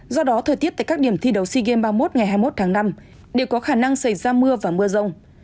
do đó thời tiết tại các điểm thi đấu sea games ba mươi một ngày hai mươi một tháng năm đều có khả năng xảy ra mưa và mưa rông